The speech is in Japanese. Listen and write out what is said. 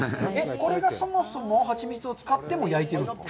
これがそもそもハチミツを使っても焼いてるんですか？